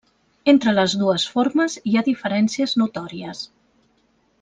Entre les dues formes hi ha diferències notòries.